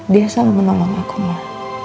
dia selalu menolong aku mbak